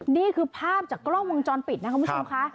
นี่คือภาพจากกล้องวงจรปิดนะครับคุณผู้ชมค่ะ